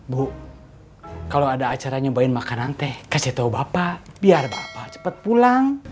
bu kalau ada acara nyobain makan nanti kasih tau bapak biar bapak cepet pulang